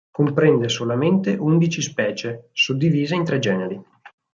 Comprende solamente undici specie, suddivise in tre generi.